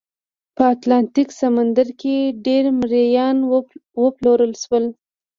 په اتلانتیک سمندر کې ډېر مریان وپلورل شول.